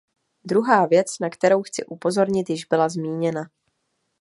Druhá věc, na kterou chci upozornit, již byla zmíněna.